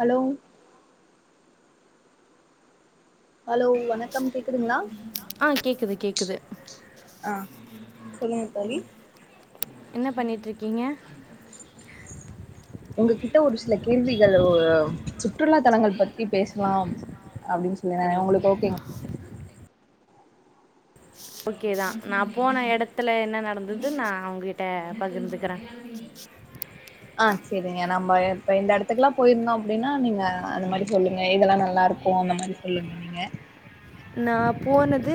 Hello hello வணக்கம் கேக்குதுங்ளா ஆ கேக்குது கேக்குது ஆ சொல்லுங்க தோழி என்ன பண்ணிட் இருக்கீங்க உங்க கிட்ட ஒரு சில கேள்விகளோ சுற்றுலா தலங்கள் பத் பத்தி பேஸ்லா அப்டின் சொல்லி உங்களுக்கு அப்படின்னு ஓக்கேங் ஓகேதா நா போன எடத்துல என்ன நடந்தது நா உங்க கிட்ட பகிர்ந்துக்கிற ஆ சேரிங்க நம்ப இப்ப இந்த எடத்துக்குலா போயிருந்தோ அப்டின்னா நீங்க அந்த மாறி சொல்லுங்க இதெல்லா நல்லா இருக் கும் அந்த மாறி சொல்லுங்க நீங்க நா போனது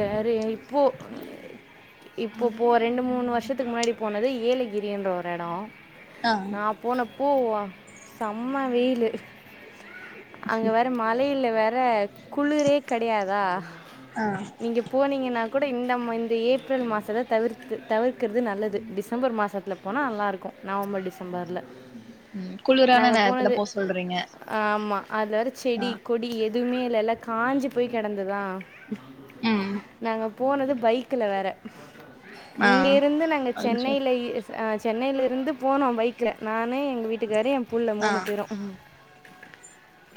யாரு இப்போ இப்போ போ ரெண்டு மூணு வருஷத்துக்கு முன்னாடி போனது ஏலகிரின்ற ஒரு எடோ ஆ நா போனப்போ செம்ம வெயிலு அங்க வேற மலையில வேற குளுரே கெடையாதா அ நீங்க போனீங்கன்னா கூட இந்த இந்த ஏப்ரல் மாசத்த தவிர்த்து தவிர்க்கிறது நல்லது டிசம்பர் மாசத்துல போனா நல்லா இருக்கும் நவம்பர் டிசம்பர்ல ம் குளிரான நாங்க நேரத்துல போனது போ சொல்றீங்க ஆமா அதுல வேற செடி ஆ கொடி எ எதுமே இல்ல எல்லா காஞ்சி போய் கெடந்ததா ம் நாங்க போனது பைக்ல வேற ஆ இங்க இருந்து நாங்க அச்சோ சென்னைலயே அ சென்னைல இருந்து போனோ பைக்ல நானு எங்க வீட் விட்டுக்காரு எ புள்ள ஆ மூணு பேரு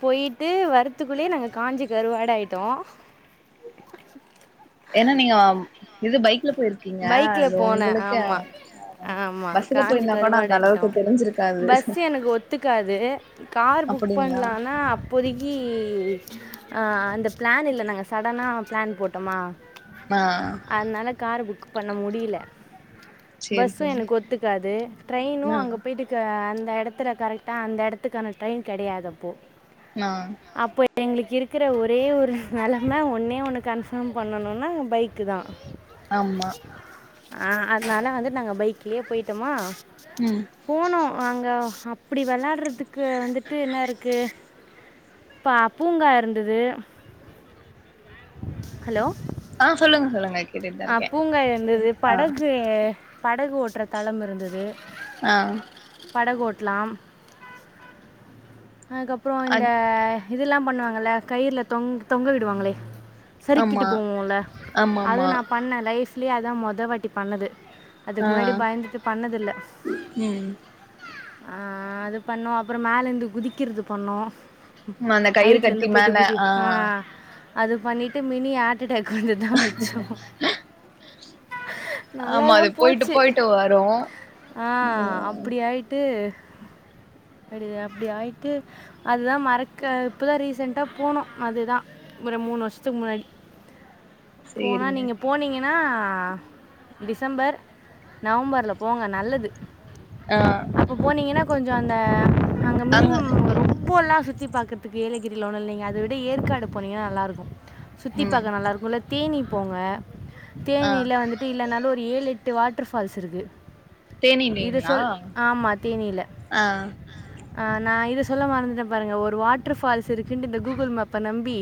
போய்ட்டு வரத்துக்குள்ளயே நாங்க காஞ்சு கருவாடாயிட்டோ ஏனா நீங்க இது பைக்ல போயிர் பைக்ல போனே ஆமா ஆமா பஸ்ல காஞ்சு போயிருந்தா கூட அந்த கருவாடாயிட்டோ அளவுக்கு தெரிஞ்சிருக்காது பஸ் எனக்கு ஒத்துக்காது கார் புக் அப்டிங்களா பண்லானா அப் போதிக்கி அ அந்த பிளான் இல்ல நாங்க சடனா பிளான் போட்டோமா ஆ ஆ அதனால கார புக் பண்ண முடில சேரி பஸ்ஸு சேரி எனக்கு ஒத்துக்காது ட்ரெயினு நா அங்க போயிட்டு க அந்த எடத்துல கரெக்டா அந்த எடத்துக்கான ட்ரெயின் கெடயாது அப்போ நா அப்போ எங்ளுக்கு இருக்கற ஒரே ஒரு நெலம ஒன்னே ஒன்னு கன்ஃபார்ம் பண்ணணுனா பைக்குதா ஆமா ஆ அதனால வந்துட் நாங்க பைக்லயே போயிட்டமா ம் போனோ அங்க அப்டி வெளயாடுறதுக்கு வந்துட்டு என்ன இருக்கு பா பூங்கா இருந்துது ஹலோ ஆ சொல்லுங்க சொல்லுங்க கேட்டுட்டுதா அ இருக்கே பூங்கா இருந்துது படகு படகு ஓட்ற தளம் இருந்துது ஆ படகோட்லாம் அதுக்கப்றோ இந்த அத் இதெல்லா பண்ணுவாங்கல்ல கயிற்ல தொங் தொங்க விடுவாங்களே சறுக்கிட்டு ஆமா போவோல்ல அது ஆமாமா நா பண்ண லைஃப்லே அதா மொதவாட்டி பண்ணது அதுக்கு ஆ முன்னாடி பயந்துட்டு பண்ணதில்ல ம் ஆ அது பண்ணோ அப்பறோ மேலந்து குதிக்கறது பண்ணோ அந்த கயிறு ஐட்ல கட்டி இந்து போயிட்டு மேல குதி ஆ அது பண்ணிட்டு மினி ஹாட்டடேக் வந்தத்தா மிச்சோ ஆமா அது தான் போயிட்டு போச்சு போயிட்டு வரு ஆ அப்டி ஆயிட்டு அடி தா அப்டி ஆயிட்டு அதுதா மறக்க இப்பதா ரீசென்டா போனோ அதுதா ஒரு மூணு வர்ஷத்துக்கு முன்னாடி போனா சேரிங்க நீங்க போனீங்கன்னா டிசம்பர் நவம்பர்ல போங்க நல்லது ஆ இப்போ போனீங்கன்னா கொஞ்சோ அந்த அங்க மினிமம் ரூ போல்லா சுத்தி பாக்கறத்துக்கு ஏலகிரில ஒன்னு இல்லேங்க அத விட ஏற்காடு போனீங்கன்னா நல்லாருக்கு சுத்தி ம் பாக்க நல்லாருக்கு இல்ல தேனி போங்க ஆ தேனீல வந்துட் டு இல்லனாலு ஒரு ஏழெட்டு வாட்ர் ஃபால்ஸ் இருக்கு இது தேனிலீங்களா சொல் ஆமா தேனீல ஆ அ நா இத சொல்ல மறந்துட்ட பாருங்க ஒரு வாட்டர் ஃபால்ஸ் இருக்குன்டு இந்த கூகுள் மேப்ப நம்பி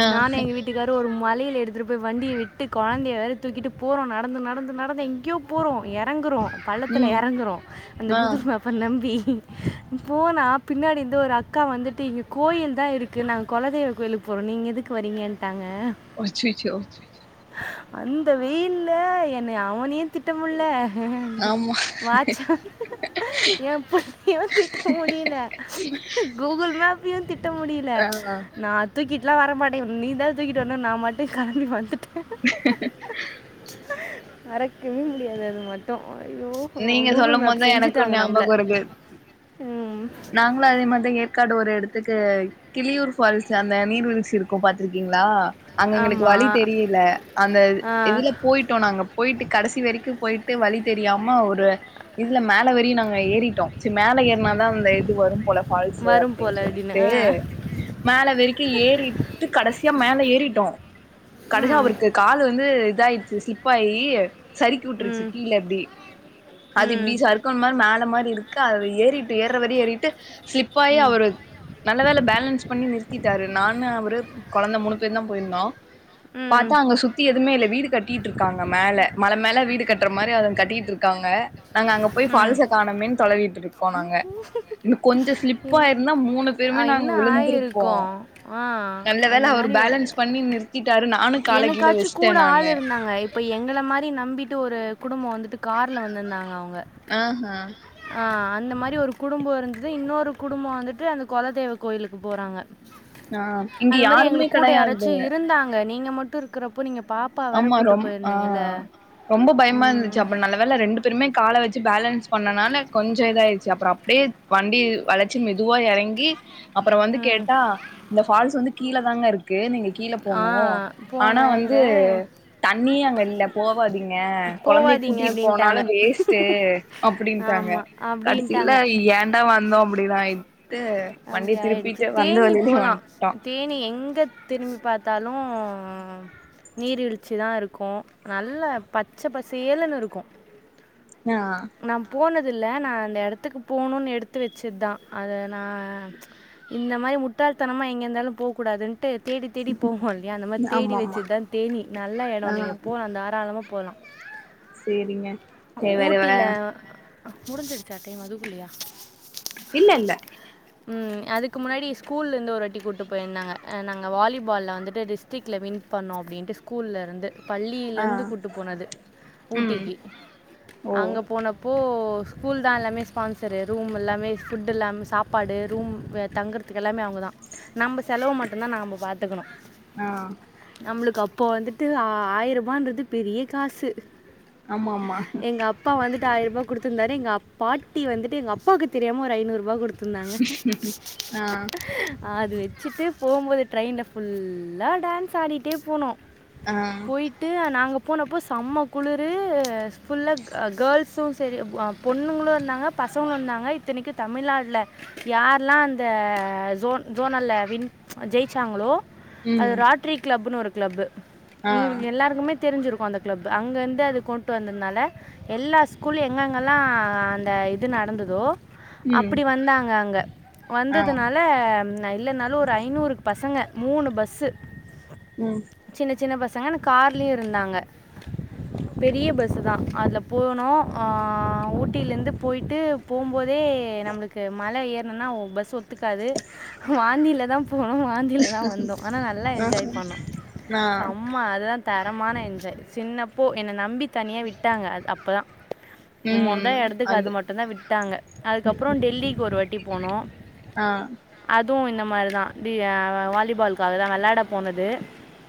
ஆ நானு எங்க வீட்டுக்காரு ஒரு மலைல எடுத்துட்டு போய் வண்டிய விட்டு கொழந்தைய வேற தூக்கிட்டு போறோ நடந்து நடந்து நடந்து எங்கயோ போறோ எறங்குறோ பள்ளத்துல ம் எறங்குறோ அந்த ஆ கூகுள் மேப் ப நம்பி போனா பின்னாடிந்து ஒரு அக்கா வந்துட்டு இங்க கோயில்தா இருக் கு நாங்க கொலதெய்வ கோயிலுக்கு போறோ நீங்க எதுக்கு வரீங்கன்ட்டாங்க ஒச்சிச்சோ அந்த வெயில்ல என்ன அவனியு திட்டமுள்ள ஆமா வாட்சு என் பையனு திட்ட முடில கூகுள் மேப் இப்பியு திட்ட முடில ஆ நா தூக்கிட்டுலா வர மாட்டே நீ தா தூக்கிட்டு வர்னு நா பாட்டுக் கெளம்பி வந்துட்ட மறக்கவே முடியாது அது மட் ஐயோ நீங்க கூகுள் சொல்லும் மேப் போதுதா எனக்கு செஞ்சுட்டாங்க நம்ள ஞாபகோ ம் ங்க அதே மாதி ஏற்காடு ஒரு எடத்துக்கு கிளியூர் ஃபால்ஸ் அந்த நீர்வீழ்ச்சி இருக்கு பாத்துருக்கீங்களா அங்க எங்களுக்கு வழி ஆமாம் தெரியல அந்த ஆ இது இதுல போயிட்டோ நாங்க போயிட்டு கடைசி வரைக்கு போயிட்டு வழி தெரியாம ஒரு இதுல மேல வரி நாங்க ஏறிட்டோ செரி மேல ஏர்னாதா அந்த இது வரும் போல ஃபால்ஸ்சு வரும் அப்டின் போல் அப்படின்னு சொல்ட்டு ஆ மேல வெறுக்கி ஏறிட்டு கடசியா மேல ஏறிட்டோ கடசியா ம் அவருக்கு கால வந்து இதயிடுச்சு ஸ்லிப் ஆயி சரிக்கி உட்ருச்சு ம் கீழ இப்டி ம் சறுக்கல் மாரி மேல மாரி இருக்கு அதுல ஏறிட்டு ஏர்ற வரையு ஏறிட்டு ஸ்லிப்பாயி அவரு நல்ல வேள பேலன்ஸ் பண்ணி நிறுத்திட்டாரு நானு அவரு கொழந்த மூணு பேருந்தா போயிருந்தோ ம் பாத்தா அங்க சுத்தி எதுவுமே இல்ல வீடு கட்டிட்டு இருக்காங்க மேல மல மேல வீடு கட்ற மாரி அத கட்டிகிட்டு இருக்காங்க நாங்க அங்க போய் ம் பால்ஸ காணமேன் தொழவீட்டு இருக்கோ நாங்க இன்னு கொஞ்சோ ஸ்லிப்பாயிருந்தா மூணு ஆ, பேருமே நாங்க என்ன விழுந்திருப்போ ஆயிருக்கும் ஆ நல்ல வேல அவர் பேலன்ஸ் பண்ணி நிறுத்திட்டாரு நானு கால கீழ எனக்காச்சு வெச்ட்டே கூட ஆள் நானு இருந்தாங்க இப் ப எங்கள மாரி நம்பிட்டு ஒரு குடும்போ வந்துட்டு கார்ல வந்திருந்தாங்க அவுங்க அ ஹ ஆ அந்த மாரி ஒரு குடும்போ இருந்தது இன்னொரு குடும்பம் வந்துட்டு அந்த கொலத்தெவ்வ கோயிலுக்கு போறாங்க ஆ இங்க அந்த மாரி யாருமே எங்களுக் கூட கெடையாது யாராச்சி இருந்தாங்க நீங்க மட்டு இருக்கிறப்போ நீங்க பா ஆமா ரொம் ஆ ரொம்ப பயமா இருந்துச்சி ம் அப்ப நல்ல வேள ரெண்டு பேருமே கால வச்சி பேலன்ஸ் பண்ணனால கொஞ்சோ இதாடுச்சு அப்பறோ அப்டியே வண்டி வளச் ச்சி மெதுவா இறங்கி அப்பறோ வந்து ம் கேட்டா இந்த ஃபால்ஸ் வந்து கீழ தாங்க இருக் க்கு நீங்க கீழ ஆ போனு போங்க ஆனா வந்து இந்த தண்ணியே அங்க இல்ல போவாதீங்க கொழந்தைய போவாதீங்க கூட்டிட்டு போனாலு அப்படின்ட்டாங்க வேஸ்ட் அப்டின்ட்டாங்க ஆமாம் கடசில அப்படின்ட்டாங்க ஏன்டா வந்தோ அப்டினாயிட்டு அப்படி வண்டிய ஆயிடுச்சு திருப்பிட்டு வந்து தேனி வழியிலயே வந் போகலாம் தேனி எங்க திரும்பி பார்த்தாலு நீர் வீழ்ச்சி தா இருக்கு நல்ல பச்சை பசேலுன்னு இருக்கு ஆ நா போனது இல்ல நா அந்த இடத்துக்கு போணுன் எடுத்து வச்சத்தா அத நா இந்த மாரி முட்டாளத்தனமா எங்க இருந்தாலு போ கூடாதுன்ட்டு தேடி தேடி போவோ இல்லையா அந்த மாரி தேடி ஆமா ஆமா வச்சதுதா தேனி நல்லா எடோ நீங்க ஆ போலா தாராளமா போலா சேரிங்க செரி வரவா முடிஞ்சிருச்சா டைம் அதுக்குள்ளயா இல்ல இல்ல ம் அதுக்கு முன்னாடி ஸ்கூலருந்து ஒருவாட்டி கூட்டு போயிருந்தாங்க நாங்க வாலிபால்ல வந்துட்டு டிஷ் ட்ரிக்ல வின் பண்ணோ அப்டின்ட்டு ஸ்கூல்ல இருந்து ஆ பள்ளிலருந்து கூட்டு போனது ம் ஊட்டிக்கி ஓ அங்க போனப்போ ஸ்கூல்தா எல்லாமே ஸ்பான்சரு ரூம் எல்லாமே ஃபுட் எல்லாமே சாப் சாப்பாடு ரூம் தங்குறதுக்கு எல்லாமே அவுங்கதா நம்ம செலவு மட்டுந்தா நாம பாத்துக்கணு ஆ நம்மளுக்கு அப்போ வந்துட்டு ஆயிர ரூபான்றது பெரிய காசு ஆமாமா எங்கள் அப்பா வந்துட்டு ஆயிர் ரூபா குடுத்துந்தாரு எங்க பாட்டி வந்துட்டு எங்க அப்பாக்கு தெரியாம ஒரு ஐநூர்ரூபா குடுத் துனாங்க ஆ அது வச்சிட்டு போம்போது ட்ரெயின்ல ஃபுல்லா டான்ஸ் ஆடிட்டே போனோ ஆ போய் டு நாங்க போனப்ப செம்ம குளுரு ஃபுல்லா அ கேல்சு செரி ஆ பொண்ணுங்களு இருந்தாங்க பசங்களு இருந்தாங்க இத்தனைக்கு தமிழ்நாட்ல யார்லா அந்த ஜோன் ஜோனல்ல வின் ஜெய்ச்சாங்களோ அது ம் ராட்ரி கிளப்னு ஒரு கிளப்பு ஆ உங்குளுக்கு எல்லாருக்குமே தெரிஞ்சிருக்கு அந்த கிளப்பு அங்கந்து அது கொண்ட்டு வந்தத்னால எல்லா ஸ்கூல எங்கெங்கல்லா அந்த இது நடந்ததோ ம் அப்புடி வந்தாங்க அங்க ஆ வந்ததுனால லா நா இல்லனாலு ஒரு ஐநூறு பசங்க மூணு பஸ்சு ம் சின்ன சின்ன பசங்க அந்த கார்லயு இருந்தாங்க பெரிய பஸ்ஸு தா அதுல போனோ ஆ ஊட்டிலருந்து போய்ட்டு போம்போதே நம்ம து மல ஏறுனன்னா ஒ பஸ் ஒத்துக்காது வாந்தியில தா போனோ வாந்தியில தா வந்தோ ஆனா நல்லா என்ஜாய் பண்ணோ ஆ சம் ஆமா அதுதா தரமான என்ஜய் சின்னப்போ என்ன நம்பி தனியா விட்டாங்க அ அப்பலா மொத எடத்துக்கு அது மட்டுந்தா விட்டாங்க அதுக்கப்றோ டெல்லிக்கு ஒரு வாட்டி போனோ ஆ அதுவு இந்த மாரிதா தீ ஆ வாலிபாலுக்காகதா வெளாட போனது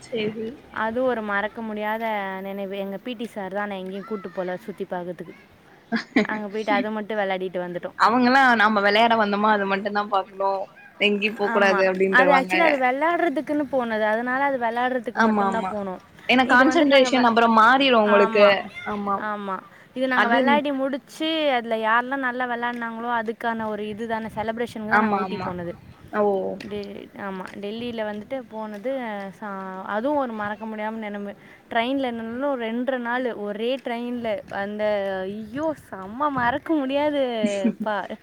சேரி அது ஒரு மறக்க முடியாத நெனைவு எங்க பி டி சார் தா ஆனா எங்கேயு கூட்டு போல சுத்தி பாக்குறதுக்கு வந்துட்டோம் அவங்களா நாம வெளையாட வந்தோமா அது மட்டுந்தா பாக்குனு எங்கேயு போ கூடாது அப்டின்றுவாங்க க்குனு போனது அதுனால அது வெளயாடறக் க்கு மட்டுந்தா ஆமா போனோ ஏன்னா இது வந்து நாங்க கான்சன்ட்ரேஷன் அப்பறோ மாறிரு உங்களுக்கு ஆமா ஆமா இது நாங்க அது வெளாடி முடி ச்சீ அதுல யார்ல்லா நல்லா வெளாட்னாங்களோ அதுக்கான ஒரு இது தான செலப்ரேஷனுக்தா ஆமா நாங்க ஊட்டி ஆமா போனது ஓ தே ஆமா டெல்லில வந்துட்டு போனது ச அதுவு ஒரு மறக்க முடியாம நெனவு ட்ரெயின்ல என்னன் ரெண்ட்ற நாள் ஒரே ட்ரெயின்ல அந்த ஐயோ செம்ம மறக்க முடியாது பார்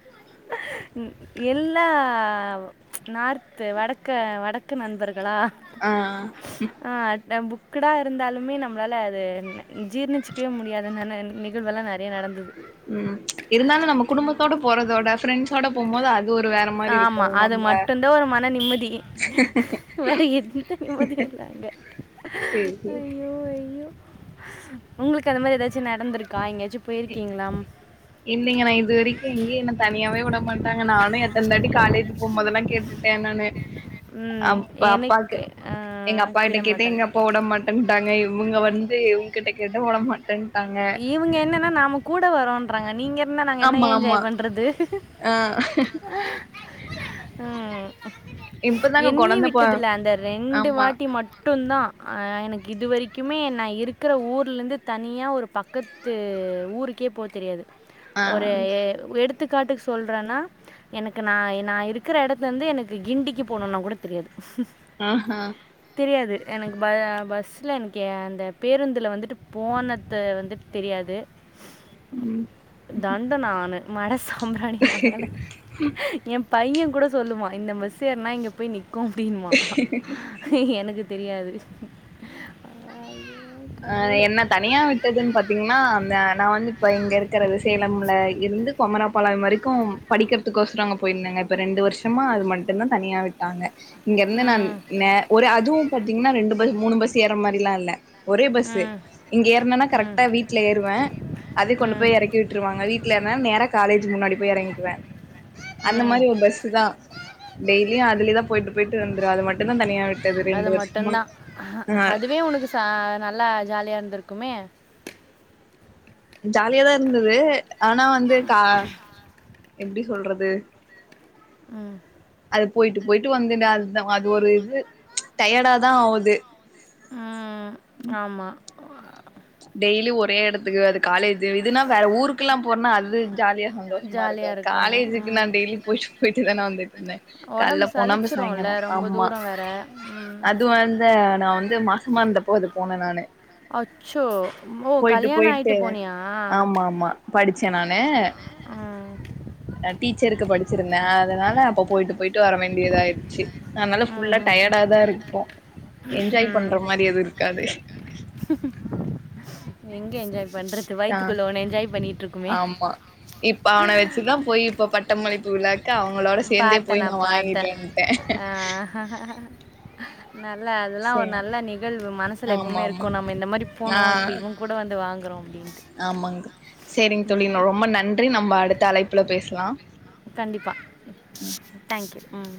ம் எல்லா நார்த்து வடக்க வடக்கு நண்பர்களா ஆ ஆ ஆ ந்த புக்குடா இருந்தாலுமே நம்ளால அது ஜீ க்கே முடியாதுனன்னா நிகழ்வெல்லா நெறைய நடந்துது ம் இருந்தாலு நம்ம குடும்பத்தோட போறதோட ஃப்ரெண்ட்ஸோட போம்போது அது ஒரு வேற மாரி இருக்கு நம்ம ட்டுந்தா ஒரு மனநிம்மதி வேற எந்த நிம்மதி இல்லங்க சேரி சேரி ஐயோ ஐயோ உங்ளுக்கு அது மாரி எதாச்சு நடந்திருக்கா எங்கேயாச்சு போயிருக்கீங்ளம் இல்லைங்க நா இது வரைக்கு எங்கயு என்ன தனியாவே விடமாட்டாங்க நானு எத்தன் தாட்டி காலேஜ் போம் போதெல்லா கேட்டு ட்ட நானு ம், அப்ப அப்பாக்கு எனக்கு ஆ, எங்க அப்பா கிட்ட விட கேட்டே மாட்டாங்க எங்க அப்பா வுட மாட் டன்ட்டாங்க இவங்க வந்து இவுங்க கிட்ட கேட்டா வுட மாட்டேன்ட்டாங்க இவங்க என்னென்னா நாம கூட வரோன்றாங்க நீங்க இருந்தா நாங்க ஆமா என்னயா ஆமா என்ஜாய் பண்றது ஆ அ இப்பதாங்க என்னையே கொழந்த பொ விட்டதுல்ல அந்த ரெண்டு ஆமா வாட்டி மட் ட்டுந்தா ஆ எனக்கு இது வரைக்குமே நா இருக்குற ஊர் ட்ல இருந்து தனியா ஒரு பக்கத்து ஊருக்கே போ தெரியாது ஆ ஒரு எடுத் எத்துக்காட்டுக்கு சொல்றேன்னா எனக்கு நா நா இருக்கிற எடத்துலந்து எனக்கு கிண்டிக்கு போணுனா கூட தெரியாது ஆஹ தெரியாது எனக்கு ப பஸ்ஸில எனக்கே அந்த பேருந்துல வந்துட்டு போனத வந்து தெரியாது தண்ட நானு மட சாம்பிராணி மகள எ பைய கூட சொல்லுவா இந்த பஸ்ஸு ஏற்னா இங்க போய் நிக்கு அப்டின்வா எனக்கு தெரியாது ஐயோ, அ கடவுளே என்ன தனியா விட்டதுன் பாத்தீங்னா அந்த நா வந்து இப்ப இங்க இருக்கிறது சேலம்ல இருந்து பொமராப்பாலயம் வரிக்கும் படிக்கிற்துக்கோச்ர அங்க போயிர்ந்தேங்க இப்ப ரெண்டு வர்ஷமா அது மட்டுதா தனியா விட்டாங்க இங்க இருந்து நா ம் நே ஒரு அதுவு பாத்தீங்னா ரெண்டு பஸ் மூணு பஸ் ஏற மாரிலா இல்ல ஒரே பஸ்ஸு ம் இங்க ஏற்னனா ம் கரெக்டா வீட்ல ஏறுவ அதே கொண்டு ம் போய் எறக்கி விட் விட்ருவாங்க வீட்ல இர்ந்தா நேர காலேஜ் முன்னாடி போய் இறங்கிக்குவே அந்த ம் மாரி ஒரு பஸ்ஸு தா டெய்லியு அதுலே தா போயிட்டு போயிட்டு வந்துருவே அது மட்டு தா தனியா விட் அது மட்டுந்தா அதுவே உனுக்கு ச நல்லா ஜாலியா இருந்திருக்குமே ஜாலியாதா இர்ந்துது ஆனா வந்து கா எப்டி சொல்றது ம் அது போயிட்டு போயிட்டு வந்துந்த அத்தா அது ஒரு இது ச் டயர்டா தா ஆவுது ம் ஆமா டெய்லி ஒரே எடத்துக்கு அது காலேஜி இதுனா வேற ஊருக் க்கிலா போனா அது ஜாலியா சந்தோஷமா இருக்கு ஜாலியாக இருக்கும் காலேஜுக்கு நா டெய்லி போயிட்டு போயிட்டு தானே வந்துட்ருந்தே ஒடம்பு சலிச்சிருல்ல ரொம்ப தூரோ வேற ம் அது வந்த நா வந்து மாசமா இர்ந்தப்போ அது போன நானு அச்சோ ஓ போயிட்டு கல்யாண போயிட்டு ஆயிட்டு போனியா ஆமா ஆமா படிச்சே ஆ நா டீச்சருக்கு படிச்சிருந்தே அதனால அப்ப போயிட்டு போயிட்டு வர வேண்டியதாய்ர்ச்சி அதனால ம், ஃபுல்லா ம், டயர்டா ம். தாருப்போ என்ஜாய் ம். பண்ற மாரி எது இருக்காது எங்க என்ஜாய் பண்றது ஆ வயித்துக்குள்ள ஒனு என்ஜாய் பண்ணிட்ருக்குமே ஆமா இப்ப அவன வெச்சுதா போயி இப்ப பட்டமளிப்பு விழாக்கு அவுங்களோட சே சேந்தே பார்த்தேன் போய் நா நான் பார்த்தேன் வாங்கிட்டேன்ட்டே ஆ, நல்ல அதுலா ஒரு சேரி நல்ல நிகழ்வு மனசு சில ஆமா எப்புமே ஆமா இருக்கு நம்ம இந்த மாரி ஆ போனோ இப்போ இவுங்க கூட வந்து வாங்குறோ அப்டின்ட்டு ஆமாங்க சேரிங் தோழி ரொம்ப நன்றி நம்ம அடுத்த அழைப்புல பேசலா கண்டிப்பா டேங்க் யூ ம்